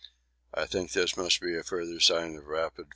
I think this must be a further sign of rapid formation.